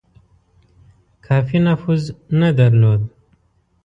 کافي نفوذ نه درلود.